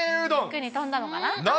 手に飛んだのかな？